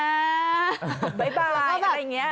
บ๊ายบายอะไรอย่างนี้